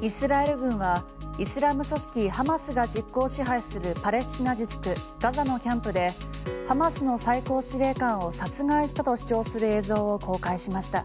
イスラエル軍はイスラム組織ハマスが実効支配するパレスチナ自治区ガザのキャンプでハマスの最高司令官を殺害したと主張する映像を公開しました。